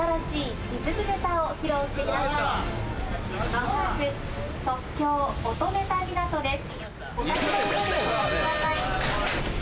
間もなく即興音ネタ港です。